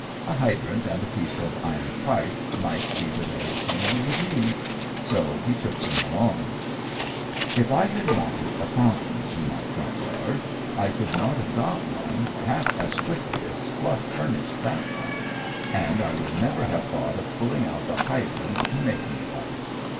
A hydrant and a piece of iron pipe might be the very thing he would need. So he took them along. If I had wanted a fountain in my front yard, I could not have got one half as quickly as Fluff furnished that one, and I would never have thought of pulling out the hydrant to make me one.